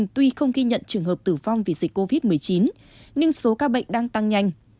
tuy không ghi nhận trường hợp tử vong vì dịch covid một mươi chín nhưng số ca bệnh đang tăng nhanh